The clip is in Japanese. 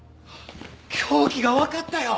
凶器がわかったよ！